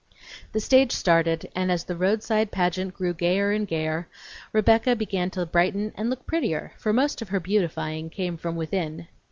The stage started, and as the roadside pageant grew gayer and gayer, Rebecca began to brighten and look prettier, for most of her beautifying came from within.